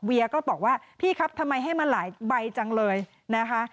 เวียก็บอกว่าพี่ครับทำไมให้มาหลายใบจังเลยนะคะ